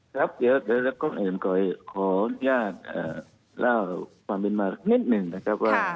ครับเดี๋ยวก่อนอื่นขออนุญาตเล่าความเป็นมาสักนิดหนึ่งนะครับว่า